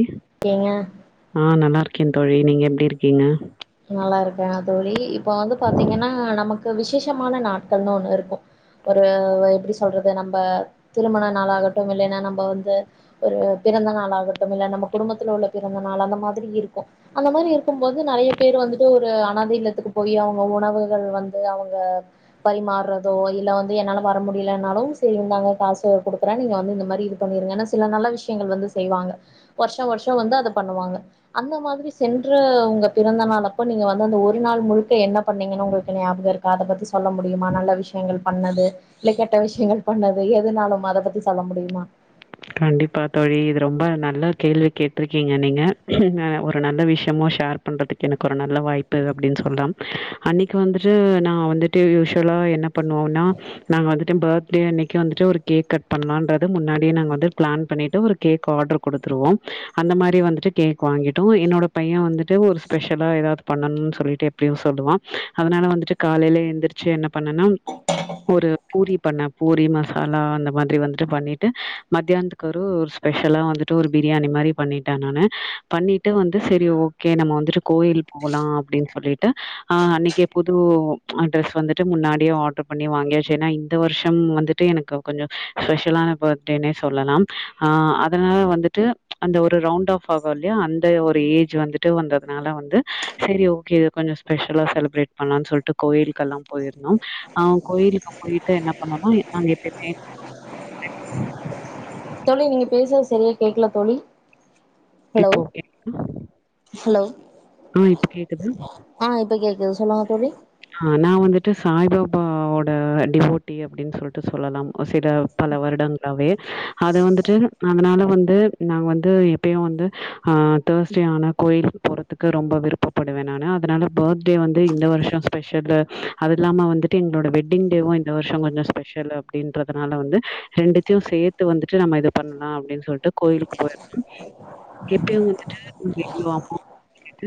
இ இருக்கீங்க ஆ நல்லாருக்கேன் தோழி நீங்க எப்டி இருக்கீங்க நல்லாருக்கே தோழி இப்ப வந்து பாத்தீங்கன்னா நமக்கு விசேஷமான நாட்கள்னு ஒண்ணு இருக்கு ஒரு எப்டி சொல்றது நம்ம திருமண நாள் ஆகட்டு இல்லைன்னா நம்ம வந்து ஒரு பிறந்த நாள் ஆகட்டும் இல்ல நம்ம குடும்பத்துல உள்ள பிறந்த நாள் அந்த மாதிரி இருக்கு அந்த மாரி இருக்கும்போது நெறைய பேர் வந்துட்டு ஒரு அனாத இல்லத்துக்கு போய் அவங்க உணவுகள் வந்து அவங்க பரிமாறதோ இல்ல வந்து என்னால வர முடியலனாலும் செரி இருந்தாங்க காசு கொடுக்குற நீங்க வந்து இந்த மாரி இது பண்ணிருங்க ஏன்னா சில நல்ல விஷயங்கள் வந்து செய்வாங்க வருசா வருசோ வந்து அதை பண்ணுவாங்க அந்த மாரி சென்ற உங்க பிறந்த நாள் அப்ப நீங்க வந்து அந்த ஒரு நாள் முழுக்க என்ன பண்ணீங்கன்னு உங்களுக்கு ஞாபக இருக் அத பத்தி சொல்ல முடியுமா நல்ல விஷயங்கள் பண்ணது இல்ல கெட்ட விஷயங்கள் பண்ணது எதுனாலும் அத பத்தி சொல்ல முடியுமா கண்டிப்பா தோழி இது ரொம்ப நல்ல கேள்வி கேட்டிருக்கீங்க நீங்க ஒரு நல்ல விஷயமோ ஷேர் பண்றதுக்கு எனக்கு ஒரு நல்ல வாய்ப் பு அப்டினு சொல்லா அன்னைக்கு வந்துட்டு நா வந்துட்டு யூஷுவலா என்ன பண்ணுவோன்னா நாங்க வந்துட்டு பர்த்டே அன்னைக்கு வந்துட்டு ஒரு கேக் கட் பண்ணலான்றது முன்னாடியே நாங்க வந் பிளான் பண்ணிட்டு ஒரு கேக் ஆர்டர் குடுத்துருவோ அந்த மாரி வந்துட்டு கேக் வாங்கிட்டோ என்னோட பைய வந்துட்டு ஒரு ஸ்பெசலா எதாது பண்ணனுனு சொல்லிட்டு எப்பயு சொல்லுவா அதுனால வந்துட்டு காலைல எந்திருச்சு என்ன பண்ணனா ஒரு பூரி பண்ணே பூரி மசாலா அந்த மாதிரி வந்துட்டு பண்ணிட்டு மத்தியானத்துக்கு ஒரு ஒரு ஸ்பெஷலா வந்துட்டு ஒரு பிரியாணி மாரி பண்ணிட்டே நானு பண்ணிட்டு வந்து செரி ஓகே நம்ம வந்துட்டு கோயில் போலா அப்டின்னு சொல்லிட்டு ஆ அன்னைக்கே புது ட்ரெஸ் வந்துட்டு முன்னாடியே ஆர்டர் பண்ணி வாங்கியாச்சு ஏன்னா இந்த வருஷம் வந்துட்டு எனக்கு கொஞ்சோ ஸ்பெஷலான பர்த் டேனே சொல்லலா ஆ அதனால வந்துட்டு அந்த ஒரு ரவுண்ட் ஆஃப் ஆகு இல்லையா அந்த ஒரு ஏஜ் வந்துட்டு வந்ததுனால வந்து சரி ஓகே கொஞ்சோ ஸ்பெஷலா செலிப்ரேட் பண்ணலான் சொல்லிட்டு கோயிலுக்கெல்லா போயிருந்தோ ஆ கோயிலுக்கு போயிட்டு என்ன பண்ணோனா அங்க எப்பயுமே தோழி நீங்க பேசுறது சரியா கேக்கல தோழி ஹலோ இப்போ கேக்குதா ஹலோ ஆ இப்ப கேக்குதா இது சொல்லுங்க தோழி ஆ நா வந்துட்டு சாய்பாபாவோட டிவோட்டி அப்டின்னு சொல்ட்டு சொல்லலாம் சில பல வருடங்களாவே அத வந்துட்டு அதனால வந்து நாங்க வந்து எப்பயு வந்து ஆ தேர்ஸ்டே ஆனா கோயிலுக்கு போறதுக்கு ரொம்ப விருப்பப்படுவே நானு அதனால பர்த்டே வந்து இந்த வருஷோ ஸ் பெஷல்லு அது இல்லாம வந்துட்டு எங்களோட வெட்டிங்டேவு இந்த வருஷ கொஞ்சோ ஸ்பெஷல் அப்படின்றதுனால வந்து ரெண்டுத்தையு சேத்து வந்துட்டு நம்ம இது பண்லா அப்டின்னு சொல்ட்டு கோயிலுக்கு போயிருந்தோ எப்பயு வந்துட்டு [inaudible]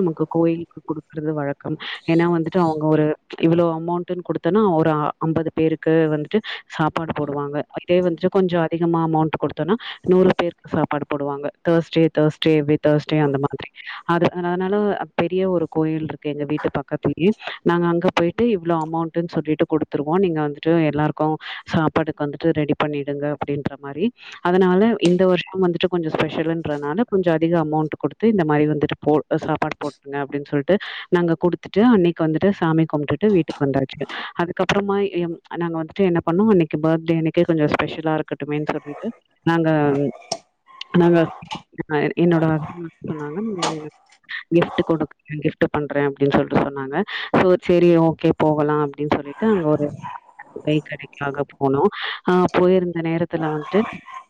நமக்க கோயிலுக்கு குடுக்கறது வழக்கம் ஏன்னா வந்துட் அவுங்க ஒரு இவ்வளோ அமௌண்ட்ன்னு குடுத்தோன்னா ஒரு அம்பது பேருக்கு வந்துட்டு சாப்பாடு போடுவாங்க இதே வந்துட்டு கொஞ்சோ அதிகமா அமௌண்ட் கொடுத்தோனா நூறு பேருக்கு சாப்பாடு போடுவாங்க தேர்ஸ்டே தேர்ஸ்டே எவி தேர்ஸ்டே அந்த மாதிரி அது அதனால பெரிய ஒரு கோயில் இருக்கு எங்க வீட்டு பக்கத்து நாங்க அங்க போய்ட்டு இவ்ளோ அமௌன்ட்டுனு சொல்லிட்டு குடுத்துருவோ நீங்க வந்துட்டு எல்லாருக்கு சாப்பாடுக்கு வந்துட்டு ரெடி பண்ணிடுங்க அப்படின்ற மாரி அதுனால இந்த வருஷம் வந்துட்டு கொஞ்சோ ஸ்பெஷலுன்றனால கொஞ்ச அதிக அமௌண்ட் குடுத்து இந்த மாரி வந்துட்டு போ சாப்பாடு போட்ருங்க அப்டின் சொல்ட்டு நாங்க குடுத்துட்டு அன்னை வந்துட்டு சாமி கும்டுட்டு வீட்டுக்கு வந்தாச்சு அதுக்கப்புறமா எம் நாங்க வந்துட்டு என்ன பண்ணோ அன்னைக்கு பர்த்டே அன்னைக்கு கொஞ்ச ஸ்பெஷலா இருக்கட்டுமேனு சொல்லிட்டு நாங்க நாங்க என்னோட ஹஸ்பண்ட் வந்து சொன்னாங்க கிஃப்ட் கொடுக்குறே கிஃப்ட் பண்றே அப்படின்னு சொல்ட்டு சொன்னாங்க ஓ செரி ஓகே போகலா அப்டின்னு சொல்லிட்டு அங்க ஒரு வை கடைக்காக போனோ ஆ போயிருந்த நேரத்துல வந்துட்டு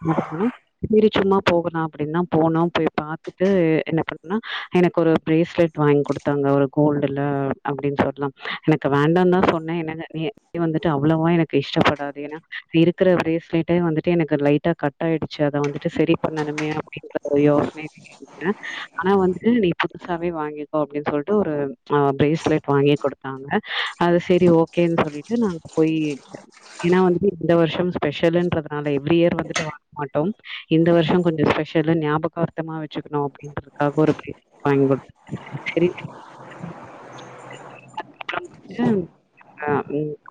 என்ன பண்ணோ செரி சும்மா போகலா அப்படின்தா போனோ போய் பாத்துட்டு என்ன பண்னோனா எனக்கு ஒரு பிரேஸ்லெட் வாங்கி குடுத்தாங்க ஒரு கோல்டுல அப்டியு சொல்லலா எனக்கு வேண்டான்னுதா சொன்னே என்னங்க நீ வந்துட்டு அவ்வளவா எனக்கு இஷ்டப்படாது ஏன்னா இருக்குற பிரேஸ்லெட்டே வந்துட்டு எனக்கு லைட்டா கட் ஆயிடுச்சு அத வந்துட்டு செரி பண்ணணுமே அப்டின்ற ஒரு யோசனேலயே இருந்தே ஆனா வந்துட்டு நீ புதுசாவே வாங்கிக்கோ அப்டின்னு சொல்ட்டு ஒரு ஆ பிரேஸ்லெட் வாங்கி குடுத்தாங்க அது செரி ஓகேன்னு சொல்லிட்டு நாங்க போய் ஏன்னா வந்துட்டு இந்த வருஷம் ஸ்பெஷலுன்றதுனால எவ்ரி இயர் வந்துட்டு வாங்க மாட்டோம் இந்த வருஷோ கொஞ்சோ ஸ்பெஷல்லு ஞாபகார்த்தமா வெச்சுக்கணு அப்படின்றதுக்காக ஒரு பிராஸ்லட் வாங்கி குடுத்தாங்க செரி [inaudible] அப்ரமேட்டு அங்க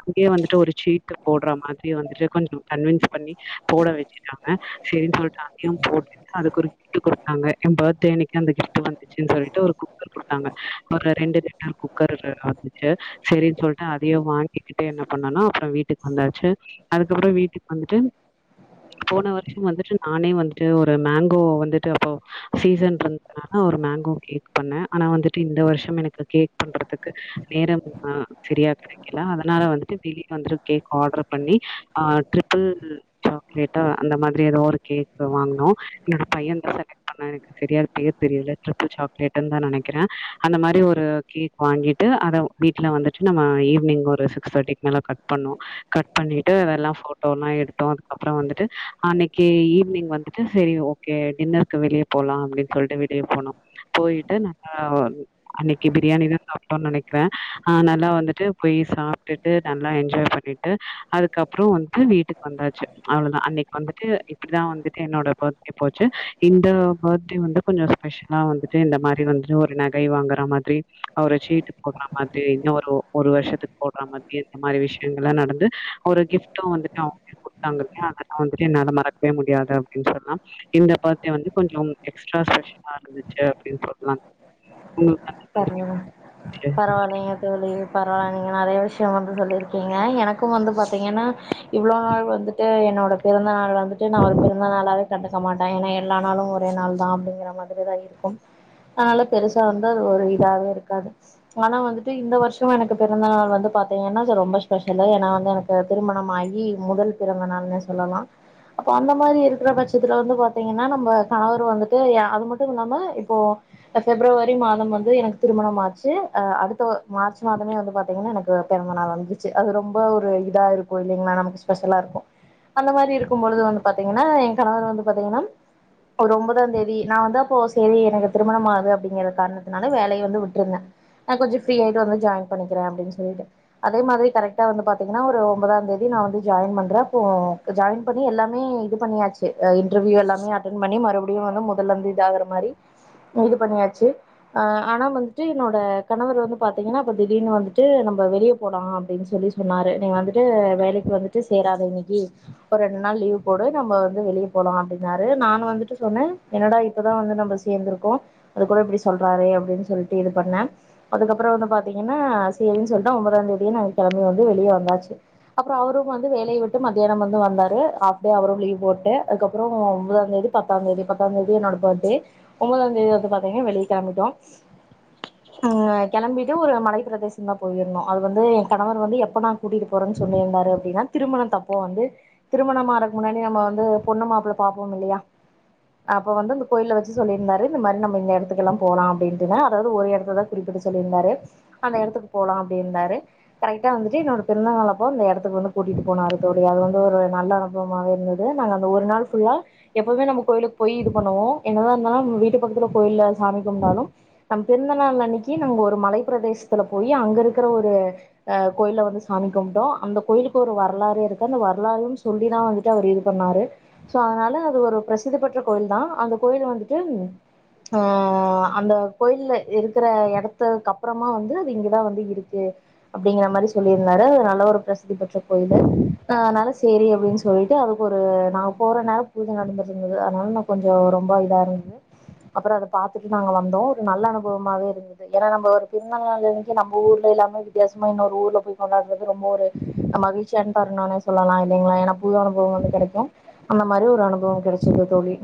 அங்கயே வந்துட்டு ஒரு சீட்டு போடுறா மாதிரி வந்துட்டு கொஞ்சோ கன்வின்ஸ் பண்ணி போட வெச்சிட்டாங்க செரின்னு சொல்ட்டு அதையு போட்டுட்டு அதுக்கு ஒரு கிஃப்ட்டு குடுத்தாங்க என் பர்த்டே அன்னைக்கு அந்த கிஃப்ட் வந்துச்சுன்னு சொல்லிட்டு ஒரு குக்கர் குடுத்தாங்க ஒரு ரெண்டு லிட்டர் குக்கர் வேற வந்துச்சு செரின்னு சொல்ட்டு அதையு வாங்கிக்கிட்டு என்ன பண்னேனா அப்புற வீட்டுக்கு வந்தாச்சு அதுக்கப்புற வீட்டுக்கு வந்துட்டு போன வருஷம் வந்துட்டு நானே வந்துட்டு ஒரு மேங்கோ வந்துட்டு அப்போ சீசன் இருந்ததுனால ஒரு மேங்கோ கேக் பண்ணே ஆனா வந்துட்டு இந்த வருஷம் எனக்கு கேக் பண்றதுக்கு நேரம் அ சரியா கெடைக்கல அதனால வந்துட்டு வெளியே வந்துட்டு கேக் ஆர்ட்ரு பண்ணி ஆ ட்ரிப்பிள் சாக்லேட்டா அந்த மாதிரி ஏதோ ஒரு கேக் வாங்குனோ என்னோட பையன்தா செலக்ட் பண்ணா எனக்கு சரியா அது பேர் தெரியல ட்ரிப்பிள் சாக்லேடன்னு தா நெனைக்கிறே அந்த மாரி ஒரு கேக் வாங்கிட்டு அத வீட்டுல வந்துட்டு நம்ம ஈவி்னிங் ஒரு சிக்ஸ் தேர்டிக்கு மேல கட் பண்ணோ கட் பண்ணிட்டு வேறல்லா போட்டோல்லா எடுத்தோ அதுக்கப்புற வந்துட்டு அன்னைக்கு ஈவினிங் வந்துட்டு செரி ஓகே டின்னருக்கு வெளிய போலா அப்டின்னு சொல்ட்டு வெளிய போனோ போயிட்டு நல்லா அன்னைக்கு பிரியாணிதா சாப்ட்டோனு நெனைக்கிறே அ நல்லா வந்துட்டு போய் சாப்ட்டுட்டு நல்லா என்ஜாய் பண்ணிட்டு அதுக்கப்புறோ வந்துட்டு வீட்டுக்கு வந்தாச்சு அவ்ளதா அன்னைக்கு வந்துட்டு இப்டிதா வந்துட்டு என்னோட பர்த்டே போச்சு இந்த பர்த்டே வந்து கொஞ்சோ ஸ்பெஷலா வந்துட்டு இந்த மாரி வந்துட்டு ஒரு நகை வாங்குறா மா ட்ரீ அவ்ர சீட்டு போடுறா மாத்ரி இன்னு ஒரு ஒரு வர்ஷத்துக்கு போடுறா மாதுரி இந்த மாதிரி விஷயங்கள்ல்லா நடந்து அவரு கிஃப்டும் வந்துட்டு அவுங்க குடுத்தாங்க இல்லையா அதெல்லா வந்துட்டு என்னால மறக்கவே முடியாது அப்டினு சொல்லாம் இந்த பர்த்டே வந்து கொஞ்சோ எக்ஸ்ட்ரா ஸ்பெஷலா இருந்துச்சு அப்டின்னு சொல்லா உங்ளு சரிங்க மம் பரவாயில்லைங்க தோழி பரவால்லங்க நறைய விஷ்யம் வந்து சொல்லிருக்கீங்க எனக்கு வந்து பாத்தீங்கன்னா இவ்ளோ நாள் வந்துட்டு என்னோட பிறந்த நாள் வந்து வந்துட்டு நா ஒரு பிறந்த நாளாவே கண்டுக்க மாட்ட ஏனா எல்லா நாளு ஒரு ரேநாள் தா அப்டிங்கிற மாதுரி தா இருக்கும் அதுனால பெருசா வந்து ஒரு இதாவே இருக்காது ஆனா வந்துட்டு இந்த வர்ஷோ எனக்கு பிறந்த நாள் வந்து பாத்திங்கன்னா ரொம்ப ஸ்பெஷல்லு நா வந்து எனக்கு திருமணம் ஆகி முதல் பிறந்த நாள்னு சொல்லலா அப்போ அந்த மாரி இருக்குற பட்சத்துல வந்து பாத்திங்கன்னா நம்ப கணவர் வந்துட்டு அது மட்டும் இல்லாம இப்போ பிப்ரவரி ரி மாதம் வந்து எனக்கு திருமணம் ஆச்சு அடுத்த மார்ச் மாதமே வந்து பாத்தீங்கன்னா எனக்கு பிறந்த நாள் வந்துச்சு அது ரொம்ப ஒரு இதா இருக்கு இல்லைங்களா நமக்கு ஸ்பெஷலா இருக்கு அந்த மாரி இருக்கும் பொழுது வந்து பாத் தீங்கன்னா ஏ கணவர் வந்து பாத்தீங்கன்னா ஒரு ஒன்பதாம் தேதி நா வந்து அப்போ சேரி எனக்கு திருமணம் ஆது அப்டிங்கிற காரணத்துனால வேலய வந்து விட்டுருந்தே நா கொஞ்ச ஃப்ரீ ஆயிட்டு வந்து ஜாயின் பண்ணிக்கிறேன் அப்படின்னு சொல்லிட்டு அதே மாரி கரெக்டா வந்து பாத்தீங்கன்னா ஒரு ஒன்பதாம் தேதி நான் வந்து ஜாயின் பண்றேன் அப்போ ஜாயின் பண்ணி எல்லாமே இது பண்ணியாச்சு இன்டர்வியூ எல்லாமே அட்டென் பண்ணி மறுபடியு வந்து மொதல்ல இருந்து இத ஆகுற மாரி இது பண்ணியாச்சு அ ஆனா வந்துட்டு என்னோட கணவர் வந்து பாத்தீங்கன்னா அப்ப திடீர்னு வந்துட்டு நம்ம வெளியே போலாம் அப்டின்னு சொல்லி சொன்னாரு நீ வந்துட்டு வேலைக்கு வந்துட்டு சேராத இன்னக்கு ஒரு ரெண்டு நாள் லீவ் போடு நம்ம வந்து வெளியே போலாம் அப்டின்னாரு நா வந்துட்டு சொன்னே என்னடா இப்பதா வந்து நம்ம சேர்ந்திருக்கோ அதுக்குள்ள இப்படி சொல்றாரே அப்டின் சொல்லிட்டு இது பண்ண அதுக்கப்பற வந்து பாத்தீங்கன்னா சேரின்ன சொல்ட்டு ஒன்பதாம் தேதி நாங்க கெளம்பி வந்து வெளிய வந்தாச்சு அப்பறம் அவரும் வந்து வேலையை விட்டு மதியானம் வந்து வந்தாரு ஹாப்டே அவரும் லீவ் போட்டு அதுக்கப்பறம் ஒன்பதாம்தேதி பத்தாம் தேதி பத்தாம் தேதி என்னோட பர்த்டே ஒன்பதாம் தேதி வந்து பாத்தீங்கன்னா வெளிய களம்பிட்டோ களம்பிட்டு ஒரு மலைப்பிரதேசம் தா போயிருந்தோ அது வந்து எ கணவர் வந்து எப்ப நா கூட்டிட்டு போறேன்னு சொல்லிருந்தாரு அப்டின்னா திருமணத்தப்போ வந்து திருமணம் ஆறதுக்கு முன்னாடி நம்ம வந்து பொண்ணு மாப்பிள்ள பாப்போம் இல்லையா அப்ப வந்து இந்த கோயில வச்சு சொல்லிருந்தாரு இந்த மாரி நம்ம இந்த இடத்துக்கெல்லா போலா அப்டின்ட்டுதா அதாது ஒரு எடத்த தா குறிப்பிட்டு சொல்லியிருந்தாரு அந்த எடத்துக்கு போலா சொல்லி இருந்தாரு கரெக்டா வந்துட்டு என்னோட பிறந்த நாள் அப்போ அந்த எடத்துக்கு வந்து கூட்டிட்டு போனாரு தோழி அது வந்து ஒரு நல்ல அனுபவமே இருந்தது நாங்க அந்த ஒரு நாள் ஃபுல்லா எப்பவுமே நம்ம கோயிலுக்கு போய் இது பண்ணுவோ என்னதா இருந்தாலு நம்ம வீட்டு பக்கத்ல கோயில சாமி கும்ட்டாலு நம் பிறந்தநாள் அன்னக்கு நாம ஒரு மலைப் பிரதேசத்துல போய் அங்க இருக்கற ஒரு அஹ் கோயில வந்து சாமி கும்ட்டோம் அந்த கோயிலுக்கு ஒரு வரலாறே இருக்கு அந்த வரலாறையும் சொல்லிதான் வந்ட்டு அவர் இது பண்ணாரு சோ அதனால அது ஒரு பிரசிதி பெற்ற கோயில் தா அந்த கோயில் வந்துட்டு ம் அந்த கோயில்ல இருக்குற எடத்துக்கு அப்பறமா வந்து அது இங்கதா வந்து இருக்கு அப்டிங்கற மாரி சொல்லிருந்தாரு அது நல்ல ஒரு பிரச தி பெற்ற கோயிலு அ நெனச் சேரி அப்டின் சொல்ட்டு அதுக்கு ஒரு நா போற நேரம் பூஜ நடந்துட்டு இருந்தது அதனால நா கொஞ்ச ரொம்ப இதா இருந்தது அப்பற அத பாத்துட்டு நாங்க வந்தோ ஒரு நல்ல அனுபவமாவே இருந்தது ஏன்னா நம்ம ஒரு பிறந்த நாள் அன்னைக்கு நம்ம ஊர்ல இல்லாம வித்தியாசமா இன்னொரு ஊர்ல போய் கொண்டாடுறது ரொம்ப ஒரு மகிழ்ச்சியான தருணனே சொல்லலா இல்லங்களா என புது அனுபவம் வந்து கெடைக்கும் அந்த மாரி ஒரு அனுபவ கெடச்சது தோழி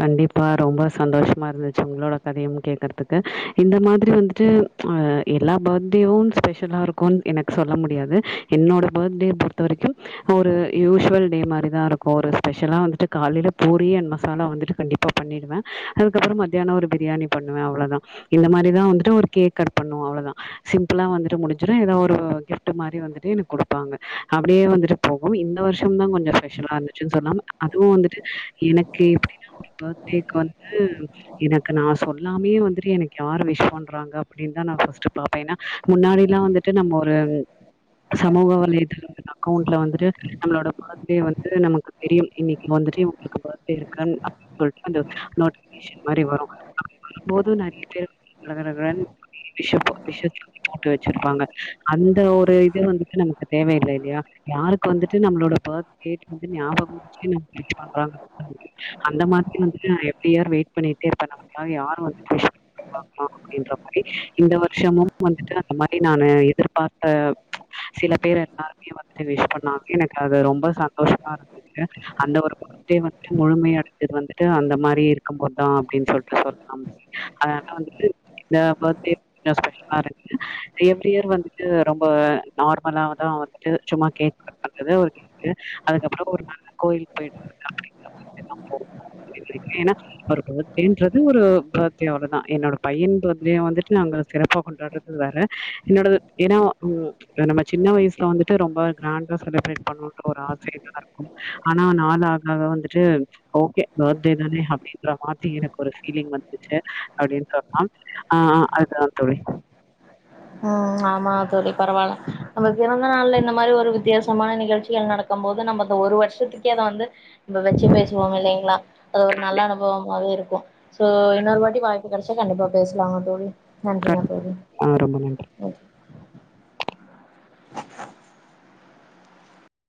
கண்டிப்பா ரொம்ப சந்தோஷமா இருந்துச்சு உங்களோட கதையு கேக்குறதுக்கு இந்த மாரி வந்துட்டு அ எல்லா பர்த்டேவு ஸ்பெஷலா இருக்கும்னு எனக்கு சொல்ல முடியாது என்னோட பர்த்டே பொறுத்த வரைக்கு ஒரு யூஸ்வல் டே மாரிதான் இருக்கும் ஒரு ஸ்பெஷலா வந்துட்டு காலயில பூரி அண்ட் ம சாலா வந்ட்டு கண்டிப்பா பண்ணிடுவே அதுக்கப்பற மதியானம் ஒரு பிரியாணி பண்ணுவே அவ்ளோதா இந்த மாரிதா வந்ட்டு ஒரு கேக் கட் பண்ணுவோம் அவ்ளதான் சிம்பிளா வந்துட்டு முடிஞ்சுரும் ஏதோ ஒரு கிப்ட் மாரி வந்துட்டு எனக்கு கொடுப்பாங்க அப்படியே வந்துட்டு போகும் இந்த வர்ஷ தா கொஞ்சம் ஸ்பெஷலா இருந்துச்சுன்னு சொல்லலா அதுவும் வந்துட்டு எனக்கு கே எப்டினா ஒரு பர்த்டேக்கு வந்து எனக்கு நா சொல்லாமே வந்துட்டு எனக்கு யாரு விஷ் பண்றாங்க அப்டின்னு தா நா ஃபர்ஸ்ட் பாப்பே ஏனா முன்னாடில்லா வந்துட்டு நம்ம ஓர் [unintelligible] சமூக வலைத்தளங்கள் அக்கௌண்ட்ல வந்துட்டு நம்ளோட பர்த்டே வந்து நமக்கு தெரியு இன்னக்கு வந்துட்டு இவங்களுக்கு பர்த் டெ இருக்கும் அப்டினு சொல்ட்டு அந்த நோட்டிபிகேஷன் மாரி வரும் அப்படி வரும்போது நெறய பேர் வந்து கடகடன்னு பெரிய விஷ்ஷா விஷ் தூக்கி போட்டு வச்சிருப்பாங்க அந்த ஒரு இது வந்துட்டு நமக்கு தேவையில்லை இல்லையா யாருக்கு வந்துட்டு நம்மளோட பர்த் டேட் வந்து ஞாபகம் வச்சு நமக்கு விஷ் பண்றாங்க அந்த மாரி வந்துட்டு நா எவரி இயர் வெயிட் பண்ணிட்டே இருப்பே நமக்காக யாரு வந்துட்டு விஷ் பண்ற பாக்கலா அப்டின்ற மாரி இந்த வருஷமும் வந்துட்டு அந்த மாரி நா எதிர்பார்த்த சில பேர் எல்லாருமே வந்துட்டு விஷ் பண்ணாங்க எனக்கு அது ரொம்ப சந்தோஷமா இருந்தது அந்த ஒரு பர்த்டே வந்து முழுமை அடைஞ்சது வந்துட்டு அந்த மாரி இருக்கும்போது தா அப்டின்னு சொல்லிட்டு சொல்லா அதனால வந்துட்டு இந்த பர்த்டே கொஞ்சம் ஸ்பெஷலா இருக்கு எவரி இயர் வந்துட்டு ரொம்ப நார்மலாவதா வந்துட்டு சும்மா கேக் கட் பண்றது ஒரு கேக் அதுக்கப்பற ஒரு நல்ல கோயிலுக்கு போயிட்டு சாமி கும்டறது [unintelligible] ஏன்னா ஒரு பேத்டேன்றது ஒரு பேத்டே அவளோதா என்னோட பையன் பர்த்டே வந்துட்டு நாங்க சிறப்பா கொண்டாடுறது வேற என்னோடது ஏன்னா உ நம்ம சின்ன வயசுல வந்துட்டு ரொம்ப கிராண்டா செலிப்ரேட் பண்ணனும்னு ஒரு ஆசைதான் இருக்கு ஆனா நாள் ஆக ஆக வந்து ட்டு ஓகே பேத்டே தானே அப்டின்ற மாத்ரி எனக்கு ஒரு ஃபீலிங் வந்துச்சு அப்டின்னு சொல்லா அ அதுதா தோழி ம் ஆமா தோழி பரவாயில்ல நம்ம பிறந்த நாள்ல இந்த மாரி ஒரு வித்தியாசமான நிகழ்ச்சிகள் நடக்கும் போது நம்ம ஒரு வருஷத்துக்கே அத வந்து நம்ம வச்சு பேசுவோ இல்லைங்களா அது ஒரு நல்ல அனுபவமாவே இருக் கு சோ இன்னொரு வாட்டி வாய்ப்பு கெடச்சா கண்டிப்பா பேசலாங்க தோழி நன்றிங்க தோழி கண்டிப்பா. ரொம்ப நன்றி [inaudible]